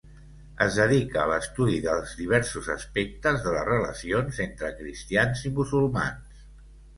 Es dedica a l'estudi dels diversos aspectes de les relacions entre cristians i musulmans.